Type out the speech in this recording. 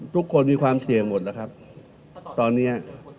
ทุกคนมีความเสี่ยงหมดแล้วครับตอนนี้